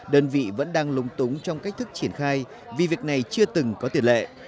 đơn vị vẫn đang lúng túng trong cách thức triển khai vì việc này chưa từng có tiền lệ